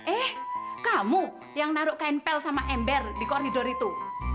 eh kamu yang naruh kampel sama ember di koridor itu